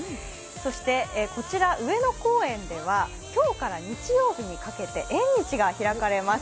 そして、こちら上野公園では今日から日曜日にかけて縁日が開かれます。